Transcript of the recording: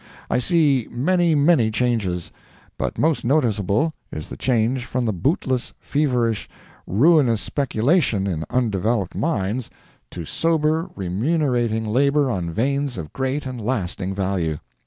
I see many, many changes. But most notable is the change from the bootless, feverish, ruinous speculation in undeveloped mines, to sober, remunerating labor on veins of great and lasting value.